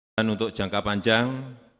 dan untuk jangka panjang